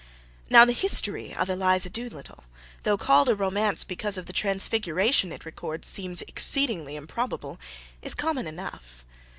Now, the history of Eliza Doolittle, though called a romance because of the transfiguration it records seems exceedingly improbable, is common enough.